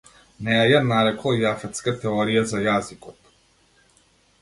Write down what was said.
Неа ја нарекол јафетска теорија за јазикот.